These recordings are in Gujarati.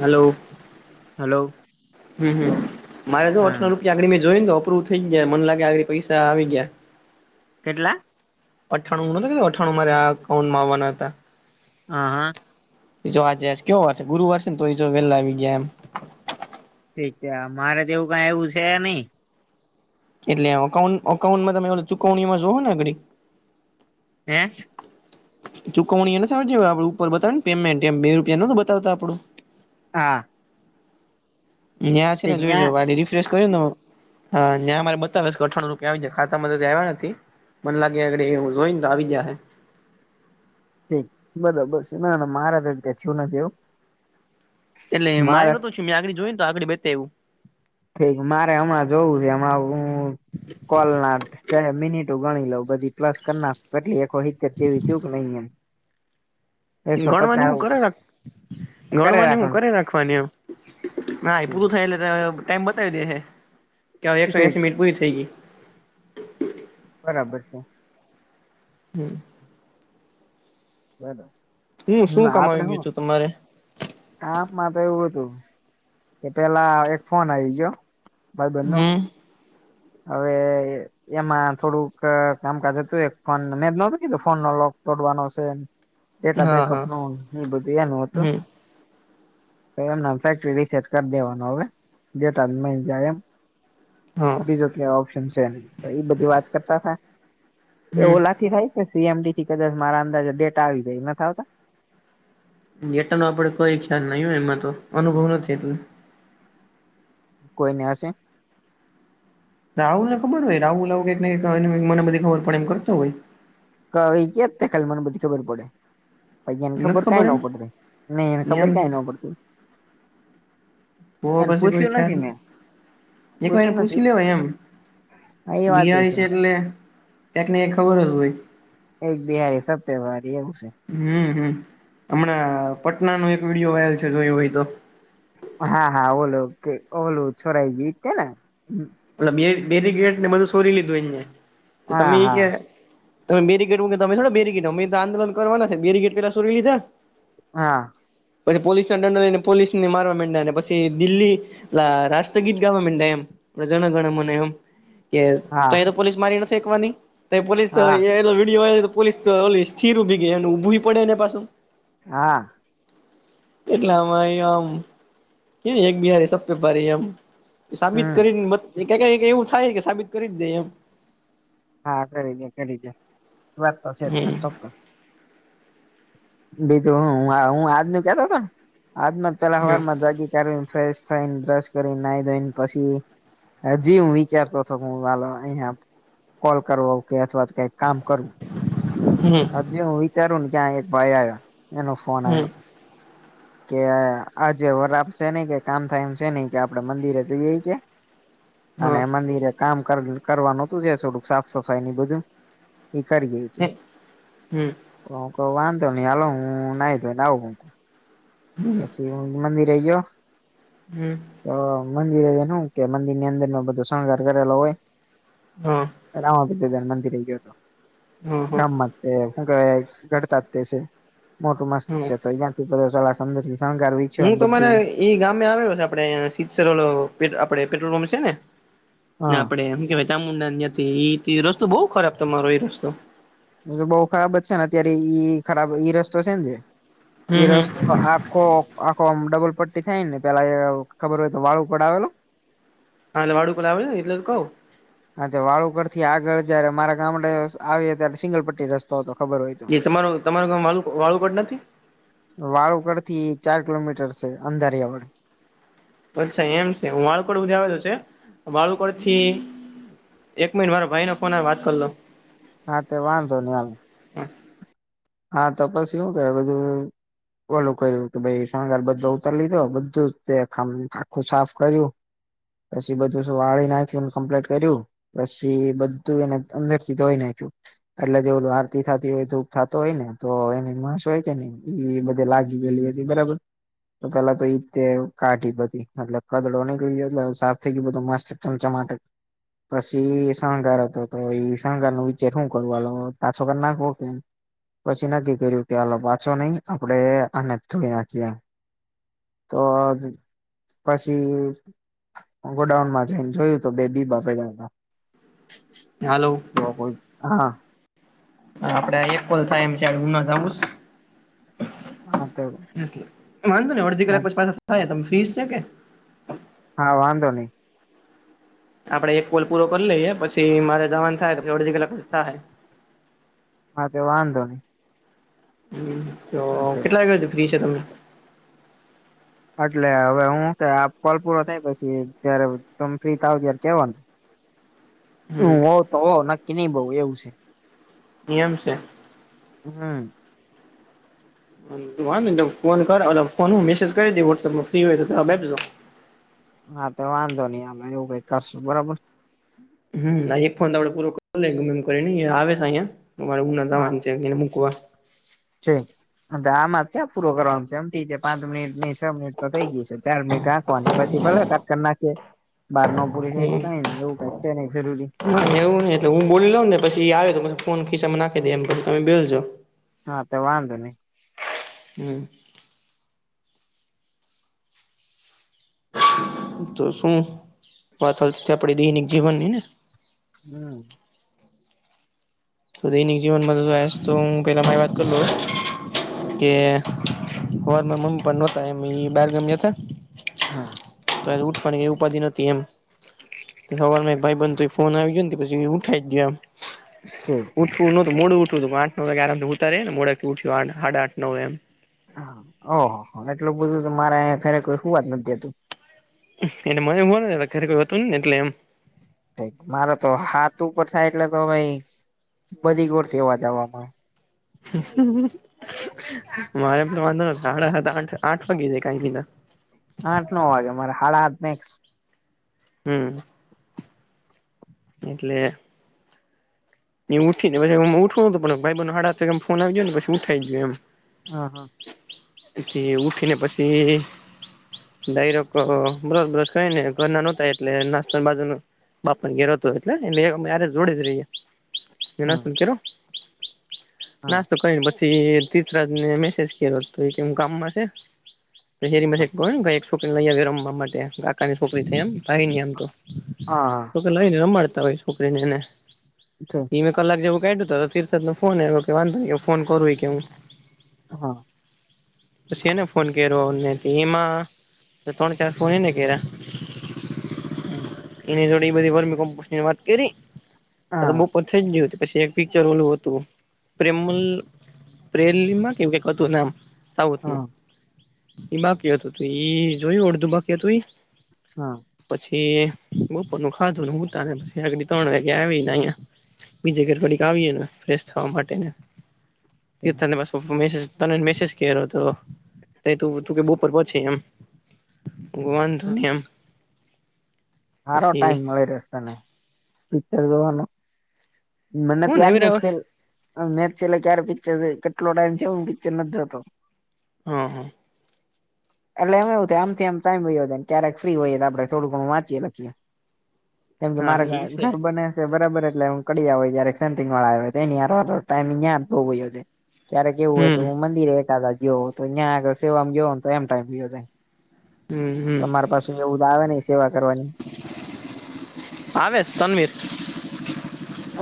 હાલો હાલો હમ્મ હમ્મ મારે જો અઠાર રૂપિયા આગડી મેં જોઈને અપ્રુવ થઈ ગયા મને લાગે આ પૈસા આવી ગીયા કેટલા અઠાણું નતો કે તો અઠાણું મારે આ અકાઉન્ટમાં આવવાના હતા આ હા એજો આજેજ કેવો વાર છે ગુરુવાર છે ને તોઈ જો વેલા આવી ગીયા એમ ઠીક છે મારે તેવું કઈ આયવું છે નઈ એટલે અઉ અકાઉન અકાઉનમાં તમે ચૂકવણીમાં જોઓ નેગડી હે ચુકવણી એને સવજી આપડું ઉપર બતાવે ને પેમેન્ટ એમ બે રૂપિયા ન તો બતાવતા આપડું હા ન્યા છે ને ઠીક જોઈ રિફ્રેશ કર ને હા ન્યા અમારે બતાવેશ અથાણું રૂપિયા આવી ગ્યા ખાતામાં ત્યા આવ્યા નથી મન લાગેગ એ ઉજોઈ આવી જાહે બરાબર છે ના મારે જ કે થું નથી એવું એટલે મારે નહોતું મેં આગડી જોઈ ને તો આગળ બેતા એવું થય ગયું મારે હમણાં જોવું છે હમણા હું કોલ ના કયાં મિનિટો ગણી લઉ બધી પ્લસ કરના કેટલી ખહિત કચેરી ચૂક નહી એમ એકસો ગણવાની પચાસ હું કરે રાખ કરે ગણવાની હું રાખવાનું કરે રાખ ખવાની એમ ના એ પુુંરૂ થાય એટલે ટાઈમ બતાવી દે હે કે હવે એકસો ઠીક એંસી મિટ પૂરી થઈ ગઈ બરાબર છે હમ્મ બસ હું હમ્મ શું કામ આપડે આવી ગયું શું છું તમારે આપમાં તો એવું હતું કે પેલા એક ફોન આવી ગયો ભાઈ બન્નો હમ હવે એમાં થોડુંક કામકાજ હતું એક ફોન મે નતું કીધું ફોન નો લોક તોડવાનો છે ડેટા હા બેકઅપ હા નું એ બધું એનું હતું હમ તો એમ નામ શેટ કરી દેવાનો હવે જો તમાં જાય એમ હા બીજો ક ઓપ્શન છે નઈ એ તો એ બધી વાત કરતા હતા એ હમ ઓલા થી થાય સીએમડી થી કદાચ મારા અંદાજે ડેટા આવી જાય નથ આવતા ડેટા નો આપડે કોઈ ખ્યાલ નહીં હો એમાં તો અનુભવ નથી એટલુ કોઈ ને હશે રાહુલને ખબર હોય રાહુલ આવું કઈકઈ મનેધ ખબર પણ એમ કરતો હોય કઈ કે અત્યારે ખાલી મને બધી ખબર પડે પછ એને ખબર નથી કઈ ન એમ પડતી નહી એને એમ ખબર કઈ ન પડતું ઓ એને પછી કોઈ પૂછ્યું ખ્યાલ નથી મેં ન એક વાર પૂછ્યું એને નથી પૂછી લેવાય એમ હા એ વાત એ બિહારી છે એટલે એકને ખબર જ હોય એક બિહારી સબ પે ભારી એવું સે હમ્મ હમ્મ હમણાં પટના નો એક વિડીયો વાયરલ છે જોયું હોઈ તો હા હા ઓલું કે ઓલું છોડાઈ ગ્યું ઈ તે ને બે બેરી ગેટ ને બધું શોરી લીધું એ હા તમે એ હા કે તમે બેરીગેટ કે તમે છો બેરીગે અમે તો આંદોલન કરવાના બેગે પેલા સુરી લીધા હા પછી પોલીસ ના દંડો લઈને પોલીસ ને મારવા માંડ્યા ને પછી દિલ્હી લ રાષ્ટ્રગીત ગાવા માંડ્યા એમ જણ ગણ મને એમ કે હા ત તો પોલીસ મારી નથી શેકવાની પોલીસ તો હા વિડીયો તો પોલીસ તો ઓલી સ્થિર ભી ગઈ એ ઊભું પડે એને પાછું હા એટલે આમાં આમ. કે 'એક બિહારી સબ પે ભારી' એમ સાબિત હમ કરીને મત... એ કયેક-કયેક એવું થાય કે સાબિત કરી જ દઈએ એમ. હા કરી દે કરી દે, વાત તો સે હમ ચોક્કસ. બીજું હું આજ નું કેતો તો ને આજનું જ પેલા સવાર માં જાગી. ને ફ્રેશ થઈને બ્રશ કરી નાહી ધોઈ ને પછી. હજી હું વિચારતો હતો. હું વાલો અહીંયા... કોલ કરવો કે અથવા તો કંઈક કામ કરવું. હમ. જે હું વિચારું ને ત્યાં એક ભાઈ આવ્યો, એનો ફોન હમ આવ્યો. કે, આજે વરાપ છે ને કોઈ કામ થાય એમ છે નય કે આપડે મંદિરે જઈએ? કે, હા અને મંદિરે- - કામ કરવા નું હતું, ત્યાં થોડુંક સાફ સફાઈ ને એ બધું એ કરીએ. હમ. તો હું કવ વાંધો નહી હાલો! હું નાહી ધોઇને તો આવું. હમ. પછી મંદિરે એય? હમ. તો મંદિરે નું શું એનું કે મંદિરની અંદર નો બધો શણગાર કરેલો હોય. હમ. રામાપીર દાદા ના મંદિરે ગયો હતો. હા હા ગામમાં- - તો શું કહેવાય ગરતા જ તે છે. મોટું મસ્ત છે. તો ત્યાં થી... અંદરથી શણગારવી. હું તમારે ઈ ગામે આવેલો છે. આપણે સીદસર આપે ઓલો પેટ્રોલ પંપ છે ને? હા આપડે એમ કેવાય ચામુંડાને ત્યાં થી એ રસ્તો બહુ ખરાબ તમારો, એ રસ્તો. તો બહુ ખરાબ જ છે, ને અત્યારે ઈ ખરાબ ઈ રસ્તો છે ને જે- - એ હમ હમ રસ્તો આખો- - આખો આમ ડબલ પટ્ટી થાય, ને પેલા ખબર હોય તો વાળ ઉપડ આવેલો! - - હા, એટલે વાળુંકલા આવે ને એટલે તો કઉ. હા તે વાળું કર થી આગળ જયારે, મારા ગામડે આવીએ ત્યારે સિંગલપટ્ટી રસ્તો- - તો તો ખબર હોય. તો. તે તમારું, તમારું ગામ વાળું વાળુંપડ નથી? વાળુંકડ થી ચાર કિલોમીટર છે અંદારીયા વડ- - અચ્છા એમ છે. હું વાળું કોડ સુધી આવેલો છે. વાળું કોડ થી- - એક મિનટ મારા ભાઈને ફોન આવે વાત કરી લવ. હા, તે વાંધો નહી. હાલો! હા, તપાસ એવું કે બધું- - ઓલું કરયુ કે ભાઈ શણગાર બધો ઉતારી લીધો બધું આખું સાફ કર્યું. પછી બધું શું વાળી નાખ્યુંને કમ્પ્લીટ કર્યું. પછી બધું એને અંદરથી ધોઈ નાખ્યું. એટલે જે ઓલું આરતી થાતી હોય ધૂપ થતી. તો હોય ને, તો એની માંસ હોય કે, ને એ બધે લાગી ગયેલી હતી, બરાબર. તો પેલા તો ઈતે કાઢી બધી મતલબ કદડો નીકળી ગયો, અને સાફ થઈ ગયું બધું મસ્ત- - ચમચમાટે- - પછી શણગાર હતો. તો એ શણગાર નો વિચાર શું કરવાનો પાછો કરી નાખવો કેમ? પછી નક્કી કર્યું કે હાલો પાછો નહીં આપડે આને જ ધોઈ નાખીએ. તો પછી- - હ ગોડાઉનમાં જઈ ને જોયું. તો બે બીબા પડયા હતા. હાલો! જો કોઈ હા. આપડે એક કોલ થાય એમ છેડ હું ન જવું.? હા તો એ વાંધો નને અડધી કલાક પછી પાસા થાય ત ફીસ છે કે- - હા વાંધો નહી. આપડે એક કોલ પૂરો કરી લઈએ, પછી મારે જવાનું થાય તો પછી અડધી કલાક થાય. હા તે વાંધો નહી. હ તો કેટલા વાગ્યા ફ્રી છે તમને? એટલે હવે હું કે આ કોલ પૂરો થાય પછી, જ્યારે તમે ફ્રી થાવ ત્યારે કેવાનું. હું હમ હો તો હો નક્કી નહ બઉ એવું છે. એમ છે.? હમ. તું વાંધ ને ફોન કર ઓલા ફોન હું મેસેજ કરી દે વોટ્સઅપમાં ફ્રી હોય તો બેજો [inaudible] હા તો વાંધો નહી અમે એવું કઈ કરશું બરાબર.? હમ એક ફોન તો આપડે પૂરો કરી લે ગમે એમ કરીને ઐ આવે છે અહંયા મારે ઉના હા જવાની છે. તેમને મુકવા. છે. આમાં જ ક્યાં પૂરો કરવાનું છે એમ પાંચ મિનિટ છ મિનટ તો થઈ ગઈ છે ચાર મિનિટ રાખવાની પછી ભલે કર નાખે બહાર ન પૂરી છે તો હમ કઈ એવું ક છે નહી જરૂરી ના એવું નઈ હું બોલીઉ ને પછી આવે તો પછ ફોન ખીચમાં નાખી દે એમ પછી તમે બેલજો હા તો વાંધ નઈ. હમ તો શું વાત હાલતી તી આપડી દૈનિક જીવનની ને હમ. તો દૈનિક જીવનમાં જો તો હું પેલા મારી વાત કર લવ. કે હવારમા મમ્મી પણ નહોતા એમ બાર ગામ ગ્યાતા. હા. ઉઠવાની એ ઉપાધ ન નથી એમ? અચછા [inaudible] સવારમા એક ભાઈ બંધ તો એ ફોન આવી ગયો ને પછી ઉઠાઈ ગયો એમ હમ. ઉઠવું નહતું મોડું ઉઠવું હતુ, આઠ નવ વાગ્યા આરેમ ઉતારે ને મોડેક થી ઊઠ્યું આઠ હાડા આઠ નવે એમ ઓહ એટલું બધું મારે અયા ઘરે કોઈ સુુંવાત નથી દેતું. એટલે મને હુંવા ન દૈતા ઘરે કોઈ હતું નહી એટલે એમ. મારે તો સાતઉપર થાય એટલે તો ભાઈ બધી કોરથી અવાજ આવવા માંડે. મારે પણ વાંધો સાડા હતા આ આઠ વાગે છે કી ના આઠ ના વાગે મારે સાડાસાત ફિક્સ હમ. એટલે એ ઉઠી ને પછે હુ ઉઠું પણ ભાઈબંધ નો હાડા હાત વાગ્યામાં ફોન આવીજયો ને પછી ઉઠાઈ ગયો એમ હા હા કે ઉઠીને પછી ડાયરેક બ્ર બ્રશા કરીયને ઘરના નહોતાાય એટલે નાસ્તાની બાજુ બાપાના ઘરે એટલે અરે જોડે જ રહીએે. હા નાસ્તો કે હા નાસ્તો કરીને પછી તીર્થરાજને મેસેજ કરલો હતો એ કેમ ગામમાં છે તો હેરી ગાયક છોકરીને લઈ આવી રમવા માટે કાકાની છોકરી થઈ એમ ભાઈ ની આમ તો તો સારો લાવીને રમાડતાં હોય છોકરીને અચ્છા [inaudible] ધીમે કલાક જેવું કાઢ્યું તો તીર્થરાજ નો ફોન એ કે વાંધ ન ફો કરવું હો કે હું હા. પછી એને ફોન કર્યો અને એમાં તો તણ ચાર ફોન નને કર્યાં હમ્મ જો [unintelligible] વાત કરી ત તો બપર થઈ જ ગયું પછી એક પિક્ચર ઓલું હતું પ્રેમમલ પ્રેમલીલા માં કેવું ક હતું નામ. સાઉથ નું બાકી હતું તું જોયું અડધું બાકી હતું હા. પછી બપોર નું ખાધું ને પછી સૂતા ત્રણ વાગ્યા આવી અહીંયા બીજે ઘર ધડીક આવીએ ને ફેશ થવા માટેને તી તને પ્પ મેસેજ તને મેસેજ કર્યો હતો ત ત તું કે બપોર પહોંચી એમ ગોવાન ધનમ. સારો ટાઈમ મળી રહેશે તને પિક્ચર જોવાનું. મને તો હું યાદ નેવી ને રાવ છે. મેચ છેલ્લે ક્યારે પિક્ચર છે કેટલો ટાઈમ છે એ હું પિક્ચર નથી જોતો. હમ્મ એટલેમ એવું થ આમ આમા ટાઈમ વયો જાય ક્યારેક ફ્રી હોઈએ તો આપડે થડું ધણું વાચીએ. કેમ કે હા મારા ઈ છે ઘર બને. બરાબર એટલે હું કડી હોય જય સેટીગ વાડો આવે હોય એની ટાઈમિંગ યા વ્યો જાય ત્યારે કેવું હોય તો હમ હું મંદિરે એકાદાવાર ગયો હોય તો ત્યાં આગળ સેવા મા ગયો હો તો એમ ટાઈમ વીયો જાય. હમ હમ તમારે પાસુ એવું આવે નહી સેવા કરવાની. આવે તનવીર.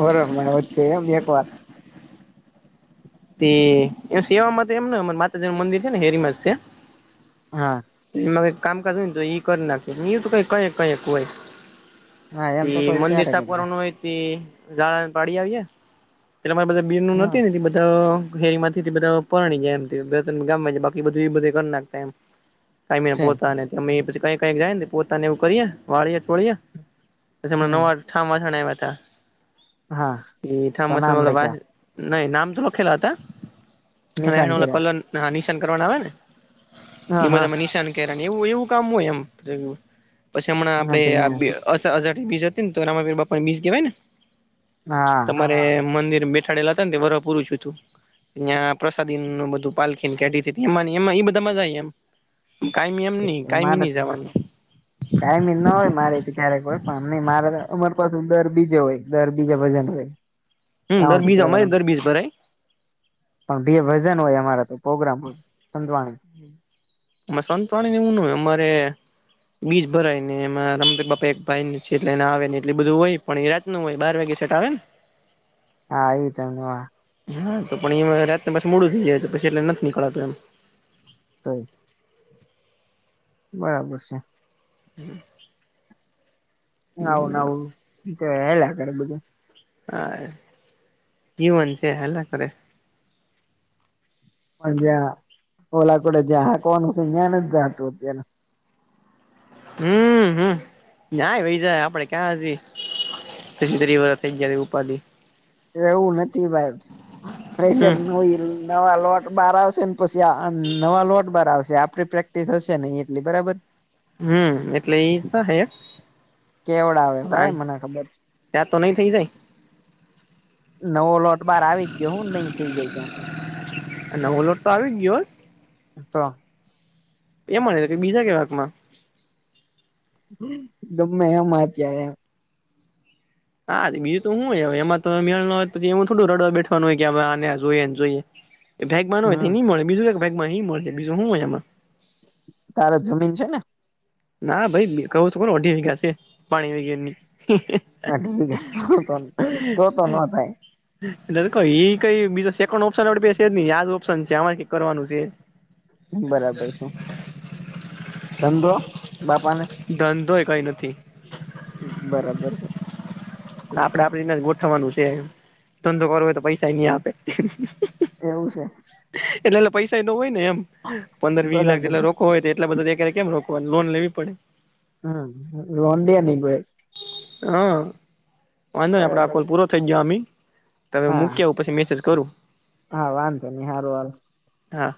હરહ ની વચ્ચે એમ એક વાર. તે એ સેવામાં તો એમ અમા માતાજી નું મંદિર છે ને હેરી મા છે. હા કામકાજ હોય તો એઈ કરી નાખે એ કઈ કક કઈક હોય. હા એમ તે તો કોઈ મંદિર ક્યારે સાફ કર્યું કરવાનું હોય તી. ઝડાને પાડી આયવી એટલે મારે બધા બીર નું હમ નથી. હેરીંગમાંથી બધા પરણી જાય એમ ત ગામ બાકી બધું એ બધ કરી નાખતા એમ. [inaudible] કાઈ પોતાને પછ કક કઈક જાય ને પોતાને એવું કરી વાળીએ છોડીએ. ન હમ વાઠામ માસ ન હા વાતાઠાામ તો માસ. નામ લખ્યા નહી નામ તો લખેલા હતા અને નિશાન એ કર્યા કલર નિશાન કરવાના આવે ને. હા એ હા બધામાં નિશાન કેરા એવું એવું કામ હોય એમ પછી હમણાં હા આપે. તો અ અસાઠી બીજ હતી ને તો રામાવીર બાપાને બીજ કહેવાય ને ન્યા તમારે મંદિર બે. [unintelligible] તં પ્રસાદી નું બધું પાલખીને કઢી એમાં એમાં એ બધા મજા એમ. કાયમી એમની કાયમીની જવાનું. કાયમી ના હોય મારેથી ક્યારેક હોય પણ નહી મારે અમારે પાસેું દર બીજો હોય દર બીજા ભજન હોય. હમ્મ દર પણ બીજ અમારે દર બીજ પર હૈ. પણ બે ભજન હોય અમારા તો પ્રગ્રામ સંતવાણી. સંતવાણી ને એવું નય અમારે. બીજ ભરાય ને એમાં રમદક બાપા એક ભાઈ છે એટલે એને આવે ને એટલે બધું હોય પણ એત. નું હોય બાર વાગે સેટ આવે એમ. હા આવું ત. હા તો પણ એ રાતને પા મોડું થઈ જાય તો પછી એટલે નથી નીકળાતું એમ. તો. [inaudible] બરાબર છે. હમ્મ નવું નવું એ કે હાલિયા કરે બધું હા જીવન છે હલા કરે છે. જ પેલા કુડ જ કોણ સુું જ્ઞાન જતું હોય. હમ નહીં જાય આપડે ક્યાં હજુ. પછી તરી વર જ્યારે ઉપાધી. એવું નથી ભાઈ પ્રેશર હમ નથી. નવા લોટ બાર આવશે ને પછી નવા લોટ બાર આવશે આપડી પ્રેક્ટિસ હશે નહીં એટલી બરાબર. હમ એટલે થશે કેવડાવે હા. ભાઈ મને ખબર છે ત્યાં તો નહી થઈ જાય. નવો લોટ બાર આવી જ ગયો શું નહી થઇ જાય ત્યાં તો. નગલ. ત્યાં ગયો. તો, એ મા કે બીજા કેવાકમાં, ગમે એમ ત્યારે, હા બીજું તો શું હોય હવે એમાં મે હો પછી એવું થોડું રડવા બેઠવાનું હોય કે આને જોએ ને જોઈએ, એ ભાગમાં ન હોય તો હમ શું મળે બીજું કે ભાગમાં શું મળશે છે બીજું શું હોય એમાં, તારા જમીન છે ને, ના ભાઈ કહ્યું તો કોને ચઢી ગયા છે પાણી હો ગયા એ, હા ઠીક વાત, એઈ કઈ બીજ સેકન્ડ ઓપ્શન આપણા પાસે છે આમાં શું કરવાનું છે, બરાબર છે. ધંધો બાપા ને, ધંધોય કઈ નથી. બરાબર છે. આપડે આપણે જ ગોઠવવાનું છે ધંધો કરવો હોય તો પૈસા નહી આપે. એવું છે. એટલે પૈસા એ ન હોય ને એમ પંદર વીસ લાખ બરાબર જેટલા છે રોકડ હોય. એટલા બધા અત્યારે કમાવાનું લોન લેવી પડે. હમ લોન પોસાય, હા વાંધો નથી આપણે આ બરાબર કોલ છે પૂરો થઈ ગયો તમે હા મૂકી આવ પછી મેસેજ, કરું. હા વાધો નહીં ચાલ. હા.